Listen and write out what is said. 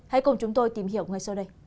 hãy cùng chúng tôi tìm hiểu ngay sau đây